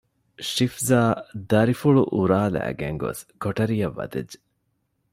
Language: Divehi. ޝިފްޒާ ދަރިފުޅު އުރާލައިގެން ގޮސް ކޮޓަރިއަށް ވަދެއްޖެ